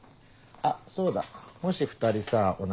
あっそうだもし２人さお腹